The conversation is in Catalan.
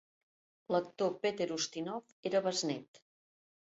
L'actor Peter Ustinov era besnet.